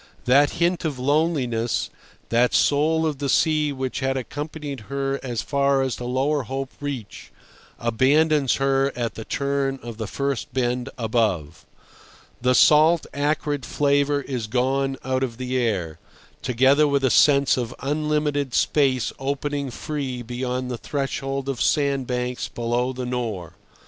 That hint of loneliness, that soul of the sea which had accompanied her as far as the Lower Hope Reach, abandons her at the turn of the first bend above. The salt, acrid flavour is gone out of the air, together with a sense of unlimited space opening free beyond the threshold of sandbanks below the Nore.